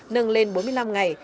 nâng lên bốn mươi năm ngày